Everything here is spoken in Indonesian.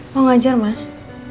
mau ngajar mas